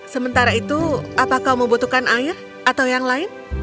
sementara itu apakah kau membutuhkan air atau yang lain